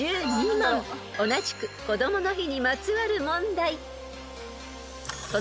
［同じくこどもの日にまつわる問題］